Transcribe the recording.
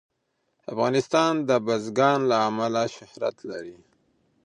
افغانستان د بزګان له امله شهرت لري.